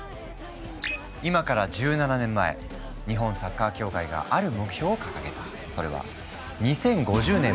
今から１７年前日本サッカー協会がある目標を掲げた。